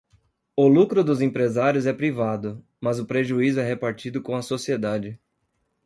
O lucro dos empresários é privado, mas o prejuízo é repartido com a sociedade